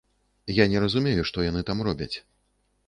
І я не разумею, што яны там робяць.